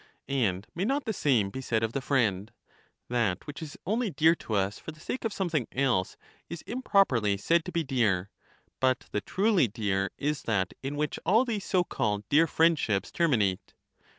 And may not the same be said of the friend ? That which is only dear to us for the sake of something else is improperly said to be dear, but the truly dear is that in which all these so called dear friendships ter minate.